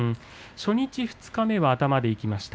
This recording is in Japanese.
初日、二日目は頭でいきました。